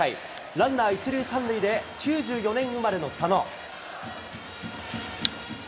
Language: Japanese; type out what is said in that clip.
ランナー１塁３塁で、９４年生まれの佐野。